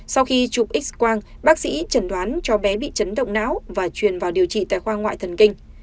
sau khi chụp x quang bác sĩ chẩn đoán cho bé bị chấn động não và truyền vào điều trị tại khoa ngoại thần kinh